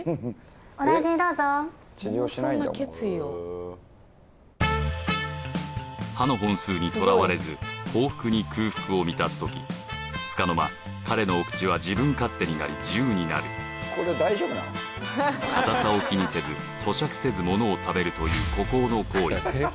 お大事にどうぞ歯の本数にとらわれず幸福に空腹を満たす時つかの間彼のお口は自分勝手になり自由になるかたさを気にせず咀嚼せずものを食べるという孤高の行為